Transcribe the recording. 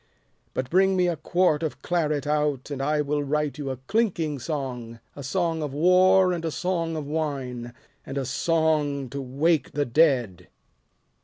But bring me a quart of claret out, And I will write you a clinking song, A song of war and a song of wine And a song to wake the dead.